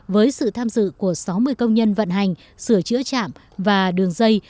với sự tham dự của sáu mươi công nhân vận hành sửa chữa chạm và đường dây